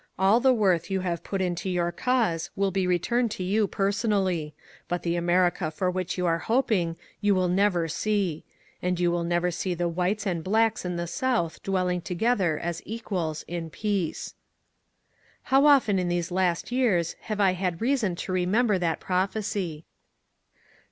All the worth you have put into your cause will be returned to you personally ; but the Amer ica for which you are hoping you will never see : and you will never see the whites and blacks in the South dwelMng together as equals in peace." How often in these last years have I had reason to remem ber that prophecy